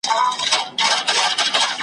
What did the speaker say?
که پر مځکه ګرځېدل که په اوبو کي .